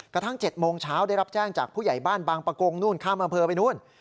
กระทั่ง๗โมงเช้าได้รับแจ้งจากผู้ใหญ่บ้านบางประกงนู่นข้ามอำเภอไปนู่น